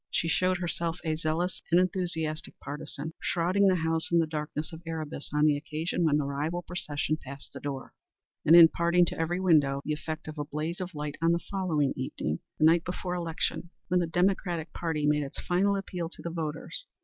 She showed herself a zealous and enthusiastic partisan, shrouding the house in the darkness of Erebus on the occasion when the rival procession passed the door, and imparting to every window the effect of a blaze of light on the following evening the night before election when the Democratic party made its final appeal to the voters.